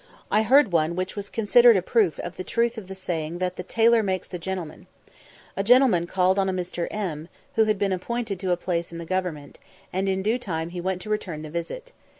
I heard one which was considered a proof of the truth of the saying, that "the tailor makes the gentleman." A gentleman called on a Mr. M , who had been appointed to a place in the government, and in due time he went to return the visit.